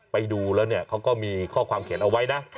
ไปดูแล้วเนี่ยเขาก็มีข้อความเขียนเอาไว้นะ